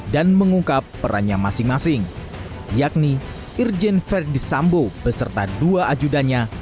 dan mengungkap perannya masing masing yakni irjen ferdisambo beserta dua ajudannya